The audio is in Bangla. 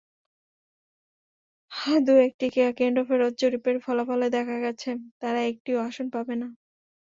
দু-একটি কেন্দ্রফেরত জরিপের ফলাফলে দেখা গেছে, তারা একটিও আসন পাবে না।